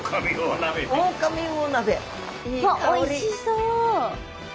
わっおいしそう。